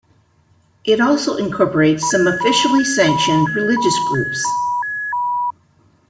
It also incorporates some officially sanctioned religious groups.